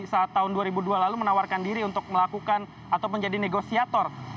saat tahun dua ribu dua lalu menawarkan diri untuk melakukan atau menjadi negosiator